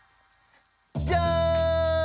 じゃん！